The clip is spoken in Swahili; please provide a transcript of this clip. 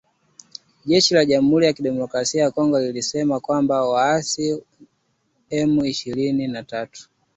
jeshi la jamuhuri ya kidemokrasai ya Kongo lilisema kwamba ,waasi wa M ishirni na tatu